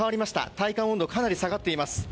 体感温度、かなり下がっています。